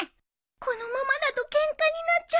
このままだとケンカになっちゃう